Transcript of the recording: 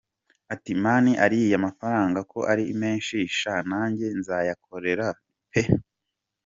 Ati: "Man ariya mafaranga ko ari menshi!!! Sha nanjye nzayakorera pe!!".